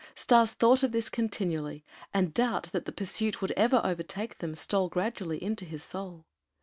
Stas thought of this continually, and doubt that the pursuit would ever overtake them stole gradually into his soul.